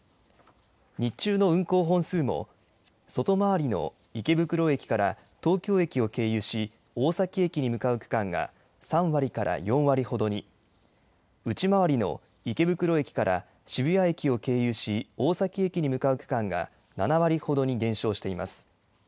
日中の運行本数も、外回りの池袋駅から東京駅を経由し大崎駅に向かう区間が３割から４割ほどに、内回りの池袋駅から渋谷駅を経由し大崎駅に向かう区間が７割ほどに減少しています。